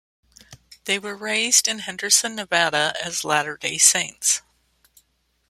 They were raised in Henderson, Nevada, as Latter-Day Saints.